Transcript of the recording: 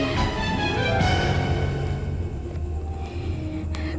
dokter udah ngelakuin banyak banget hal yang baik buat saya